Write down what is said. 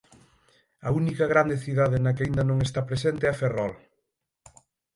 A única grande cidade na que aínda non está presente é Ferrol.